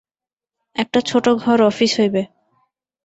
একটা ছোট ঘর অফিস হইবে।